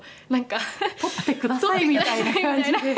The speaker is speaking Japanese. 「とってくださいみたいな感じで」